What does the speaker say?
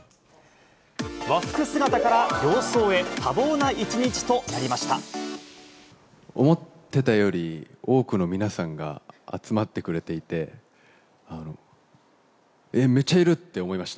和服姿から洋装へ、思ってたより多くの皆さんが集まってくれていて、えっ、めっちゃいるって思いました。